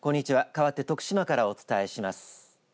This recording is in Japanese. かわって徳島からお伝えします。